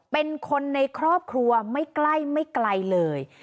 เป็นคนในครอบครัวไม่ใกล้ไม่ไกลเลย